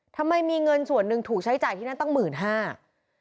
ทำไมมีเงินส่วนหนึ่งถูกใช้จ่ายที่นั่นตั้งหมื่นห้า